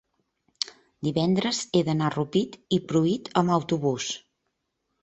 divendres he d'anar a Rupit i Pruit amb autobús.